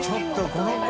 この子。